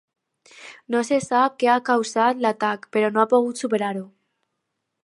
No se sap què ha causat l'atac, però no ha pogut superar-ho.